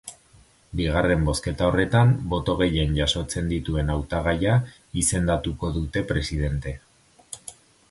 Bigarren bozketa horretan, boto gehien jasotzen dituen hautagaia izendatuko dute presidente.